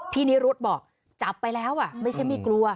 นิรุธบอกจับไปแล้วไม่ใช่ไม่กลัว